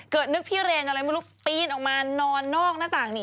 นึกพี่เรนอะไรไม่รู้ปีนออกมานอนนอกหน้าต่างนี่